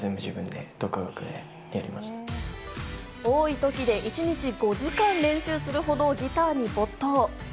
多いときで一日５時間練習するほどギターに没頭。